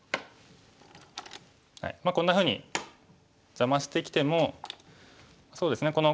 こんなふうに邪魔してきてもそうですね